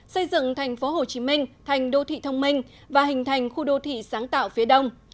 xây dựng tp hcm thành đô thị thông minh và hình thành khu đô thị sáng tạo phía đông